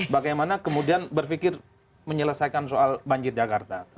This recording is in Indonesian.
bagaimana kemudian berpikir menyelesaikan soal banjir jakarta